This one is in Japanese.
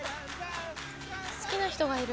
好きな人がいるの。